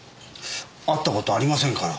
会った事ありませんから。